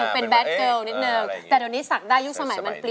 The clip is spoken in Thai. เป็นแบตเกิร์ลแต่ตอนนี้สักได้ยุคสมัยแล้ว